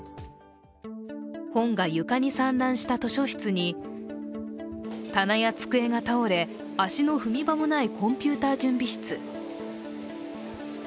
本が床に散乱した図書室に棚や机が倒れ足の踏み場もないコンピューター準備室。